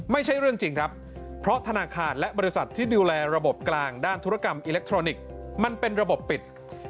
ไม่ใช่เรื่องจริงครับเพราะธนาคารและบริษัทที่ดูแลระบบกลางด้านธุรกรรมอิเล็กทรอนิกส์มันเป็นระบบปิด